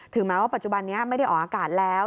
แม้ว่าปัจจุบันนี้ไม่ได้ออกอากาศแล้ว